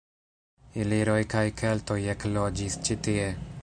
Iliroj kaj keltoj ekloĝis ĉi tie.